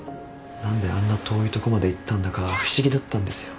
何であんな遠いとこまで行ったんだか不思議だったんですよ。